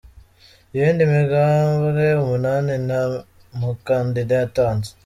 Iyindi migambwe umunani, nta mu kandida yatanze.